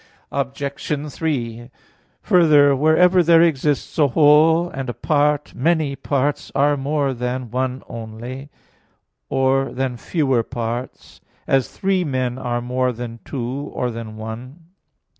Obj. 3: Further, wherever there exist a whole and a part, many parts are more than one only, or than fewer parts; as three men are more than two, or than one.